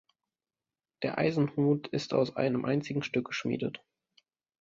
Der Eisenhut ist aus einem einzigen Stück geschmiedet.